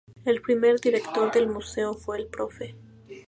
El primer director del museo fue el prof.